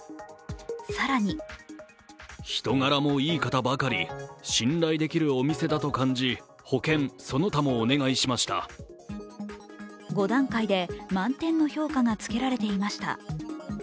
更に５段階で満点の評価がつけられていました。